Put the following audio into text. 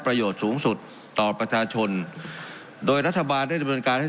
ประโยชน์สูงสุดต่อประชาชนโดยรัฐบานได้เป็นเป็นการให้